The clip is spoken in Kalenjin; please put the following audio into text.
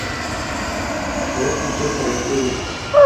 Kogpbutyo sogek tugul